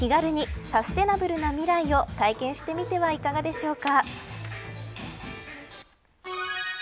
気軽にサステナブルな未来を体験してみてはいかがでしょうか。